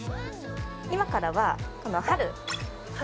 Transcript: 今からはこの春春！